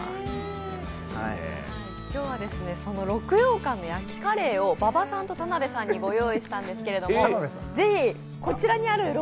今日は六曜舘の焼きカレーを馬場さんと田辺さんにご用意したんですがぜひ、こちらにある六